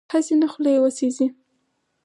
هسې نه خوله یې وسېزي.